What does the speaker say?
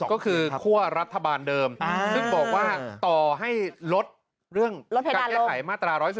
ก็คือคั่วรัฐบาลเดิมซึ่งบอกว่าต่อให้ลดเรื่องการแก้ไขมาตรา๑๑๒